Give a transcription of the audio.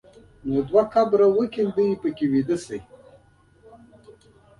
نو دوه قبره وکینده چې په کې ویده شې.